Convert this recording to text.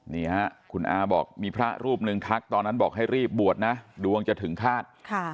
นี่ฮะคุณอาบอกมีพระรูปหนึ่งทักตอนนั้นบอกให้รีบบวชนะดวงจะถึงฆาต